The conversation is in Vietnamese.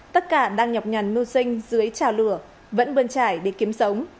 tất cả đang nhọc nhằn mưu sinh dưới trào lửa vẫn bơn trải để kiếm sống